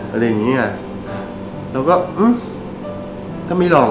อะไรอย่างนี้อะแล้วก็ถ้าไหมลอง